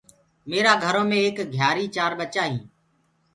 ميرآ گهرو مي ايڪ گهيآري چآر ٻچا هينٚ۔